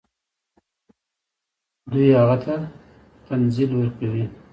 دوی هغوی ته تنزل ورکوي.